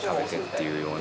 いうような